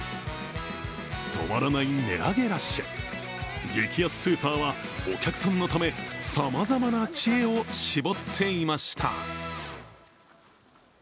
止まらない値上げラッシュ、激安スーパーは、お客さんのためさまざまな知恵を絞っていました。